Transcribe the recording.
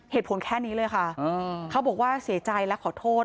เหตุผลแค่นี้เลยค่ะเขาบอกว่าเสียใจและขอโทษ